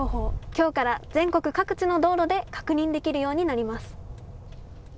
きょうから全国各地の道路で確認できるようになります。